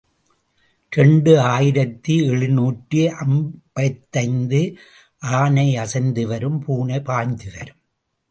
இரண்டு ஆயிரத்து எழுநூற்று ஐம்பத்தைந்து ஆனை அசைந்து வரும் பூனை பாய்ந்து வரும்.